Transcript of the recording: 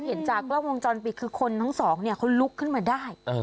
เห็นจากกล้องวงจรปิดคือคนทั้งสองเนี่ยเขาลุกขึ้นมาได้